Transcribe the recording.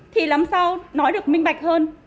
thì làm sao nói được minh bạch hơn